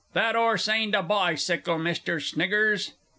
That 'orse ain't a bicycle, Mr. Sniggers.